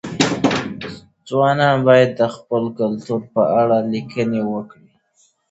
ځوانان باید د خپل کلتور په اړه لیکني وکړي.